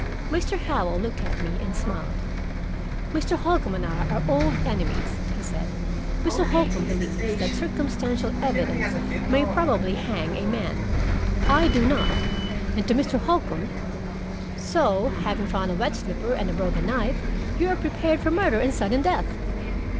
Mr. Howell looked at me and smiled. "Mr. Holcombe and I are old enemies," he said. "Mr. Holcombe believes that circumstantial evidence may probably hang a man; I do not." And to Mr. Holcombe: "So, having found a wet slipper and a broken knife, you are prepared for murder and sudden death!"